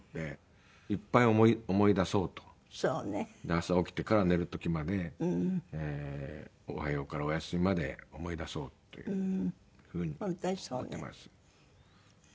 朝起きてから寝る時までおはようからおやすみまで思い出そうという風に思ってます。